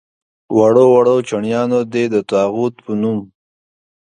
وړو وړو چڼیانو دې د طاغوت په نوم.